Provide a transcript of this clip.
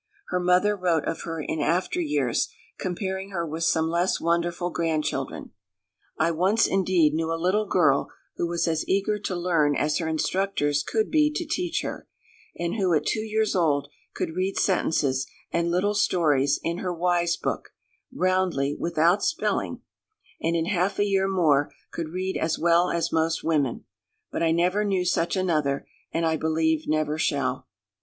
Her mother wrote of her in after years, comparing her with some less wonderful grandchildren, "I once, indeed, knew a little girl who was as eager to learn as her instructors could be to teach her, and who, at two years old, could read sentences and little stories in her wise book, roundly, without spelling, and in half a year more could read as well as most women; but I never knew such another, and I believe never shall."